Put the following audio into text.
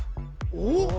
おっ！